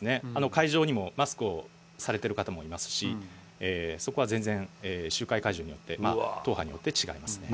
会場にもマスクをされてる方もいますし、そこは全然、集会会場によって、党派によって違いますね。